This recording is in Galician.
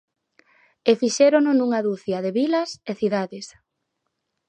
E fixérono nunha ducia de vilas e cidades.